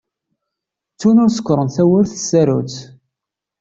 Ttun ur sekkṛen tawwurt s tsarut.